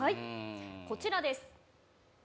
こちらです。